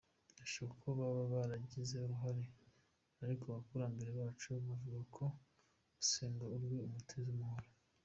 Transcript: Birashoboka ko baba baragize uruhare ariko abakurambere bacu bavugaga ko usenya urwe umutiza umuhoro.